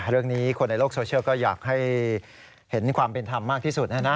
เรื่องนี้คนในโลกโซเชียลก็อยากให้เห็นความเป็นธรรมมากที่สุดนะนะ